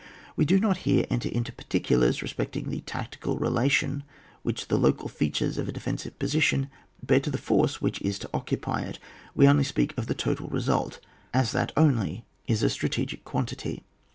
We do not here enter into particulars respecting the tactical relation which the local features of a defensive position bear to the force which is to occupy it. We only speak of the total result, as that only is a strategic quantity.